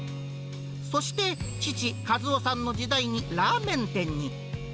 そして、父、かずおさんの時代にラーメン店に。